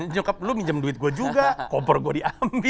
nyokap lu minjam duit gue juga kompor gue diambil